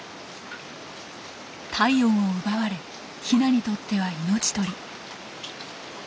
体温を奪われヒナにとっては命取り。